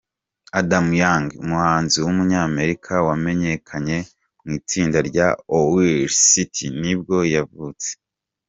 Adam Young, umuhanzi w’umunyamerika wamenyekanye mu itsinda rya Owl City nibwo yavutse.